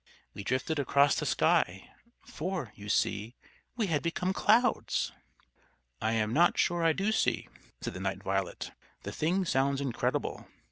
We drifted across the sky, for, you see, we had become clouds." "I am not sure I do see," said the Night Violet. "The thing sounds incredible."